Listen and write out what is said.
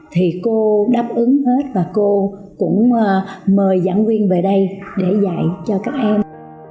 thì cô đáp ứng hết và cô cũng mời giảng viên về đây để dạy cho các em